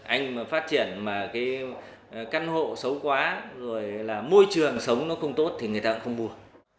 anh mà phát triển mà cái căn hộ xấu quá rồi là môi trường sống nó không tốt thì người ta cũng không buồn